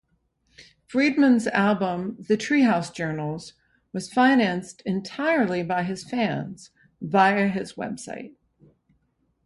Friedman's album "The Treehouse Journals" was financed entirely by his fans via his website.